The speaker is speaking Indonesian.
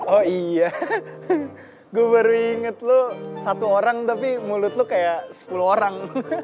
oh iya gue baru inget lo satu orang tapi mulut lo kayak sepuluh orang